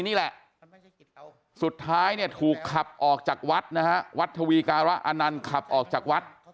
นี่แหละสุดท้ายเนี่ยถูกขับออกจากวัดนะฮะวัดทวีการะอนันต์ขับออกจากวัด